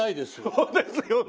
そうですよね。